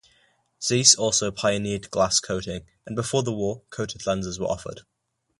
Zeiss also pioneered glass coating, and before the war coated lenses were offered.